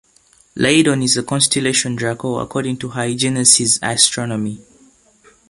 Ladon is the constellation Draco according to Hyginus' "Astronomy".